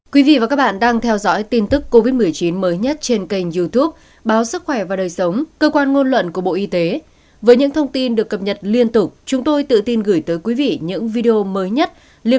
các bạn hãy đăng ký kênh để ủng hộ kênh của chúng mình nhé